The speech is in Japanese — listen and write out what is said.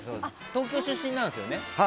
東京出身なんですよね。